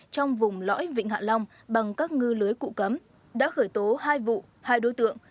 trong vùng lõi vịnh hạ long bằng các ngư lưới cụ cấm đã khởi tố hai vụ hai đối tượng